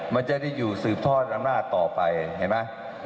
มันจะได้อยู่สืบทอดอำนาจต่อไปเห็นไหม